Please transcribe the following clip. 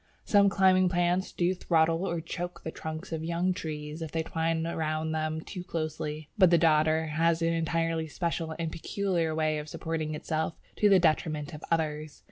Some climbing plants do throttle or choke the trunks of young trees if they twine round them too closely, but the Dodder has an entirely special and peculiar way of supporting itself to the detriment of others.